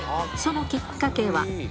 そのきっかけは。